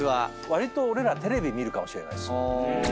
わりと俺らテレビ見るかもしれないです。